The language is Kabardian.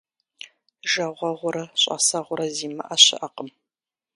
Жагъуэгъурэ щIасэгъурэ зимыIэ щыIэкъым.